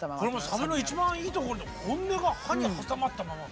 サビの一番いいところで「本音が歯に挟まったまま」。